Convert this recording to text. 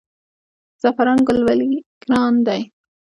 زعفران ګل ولې ګران دی؟